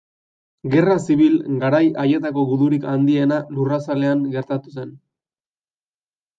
Gerra zibil garai haietako gudurik handiena lurrazalean gertatu zen.